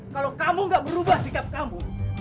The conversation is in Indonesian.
kalau kamu gak berubah sikap kamu